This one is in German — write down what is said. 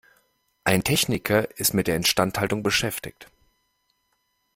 Ein Techniker ist mit der Instandhaltung beschäftigt.